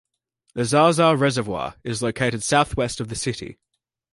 The Zaza Reservoir is located southwest of the city.